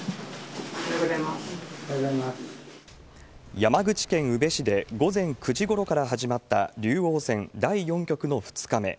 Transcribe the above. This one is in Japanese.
山口県宇部市で午前９時ごろから始まった竜王戦第４局の２日目。